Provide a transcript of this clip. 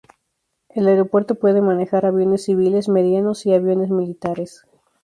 El aeropuerto puede manejar aviones civiles medianos y aviones militares.